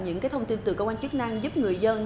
những thông tin từ cơ quan chức năng giúp người dân